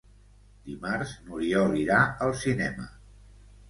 Dimarts n'Oriol irà al cinema.